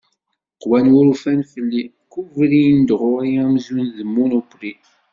Qwan wurfan fell-i, kkubrin-d ɣur-i amzun d munupri.